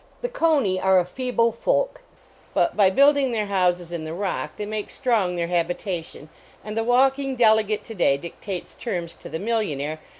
" The coney ar e a feeble folk," but by building their houses in the rock they make strong their habitation, and the walking delegate to day dictates terms to the millionaire th.